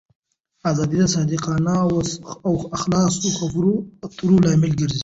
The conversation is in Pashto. دا آزادي د صادقانه او خلاصو خبرو اترو لامل کېږي.